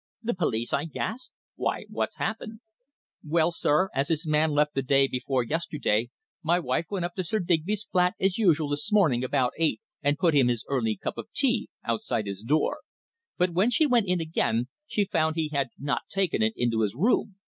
"The police!" I gasped. "Why, what's happened?" "Well, sir. As his man left the day before yesterday, my wife went up to Sir Digby's flat as usual this morning about eight, and put him his early cup of tea outside his door. But when she went in again she found he had not taken it into his room.